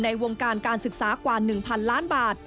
วงการการศึกษากว่า๑๐๐๐ล้านบาท